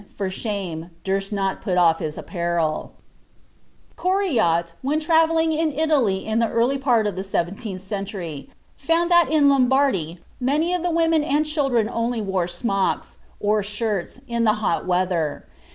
for shame, durst not put off his apparel." (Ib. Part 3, Book IV, Chapter II.) Coryat, when traveling in Italy in the early part of the seventeenth century, found that in Lombardy many of the women and children wore only smocks, or shirts, in the hot weather.